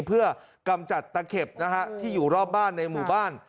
เพื่อกำจัดตะเข็บนะฮะที่อยู่รอบบ้านในหมู่บ้าน